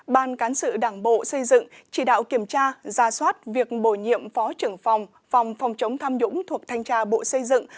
ban cán sự đảng bộ xây dựng chỉ đạo kiểm tra ra soát việc bổ nhiệm phó trưởng phòng phòng chống tham nhũng thuộc thanh tra bộ xây dựng